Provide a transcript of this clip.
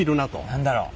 何だろう。